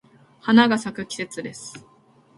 花が咲く季節です。